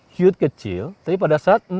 hute kecil tapi pada saat